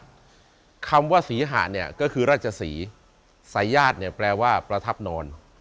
ครองว่าภากศรีหะศัยาชก็คือศรีราชศรีและศรีศรักษาศายาชก็คือประทับนอน